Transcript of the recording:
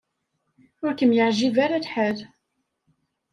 Ur kem-yeɛjib ara lḥal.